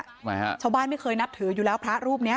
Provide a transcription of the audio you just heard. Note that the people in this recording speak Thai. ทำไมฮะชาวบ้านไม่เคยนับถืออยู่แล้วพระรูปเนี้ย